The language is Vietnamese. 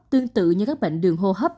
tương tự như các bệnh đường hô hấp